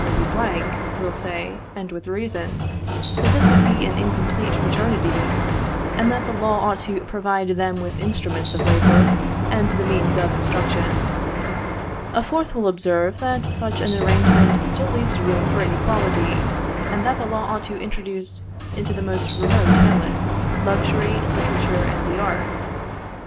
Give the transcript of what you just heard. Louis Blanc, will say, and with reason, that this would be an incomplete fraternity, and that the law ought to provide them with instruments of labour and the means of instruction. A fourth will observe that such an arrangement still leaves room for inequality, and that the law ought to introduce into the most remote hamlets luxury, literature, and the arts.